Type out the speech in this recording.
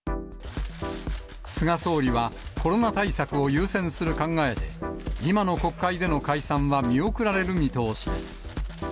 菅総理はコロナ対策を優先する考えで、今の国会での解散は見送られる見通しです。